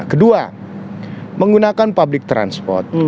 kedua menggunakan public transport